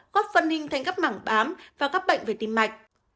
góp phân ninh thành các mảng bám và các bệnh về tim mạch